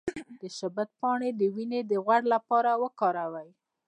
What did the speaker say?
د شبت پاڼې د وینې د غوړ لپاره وکاروئ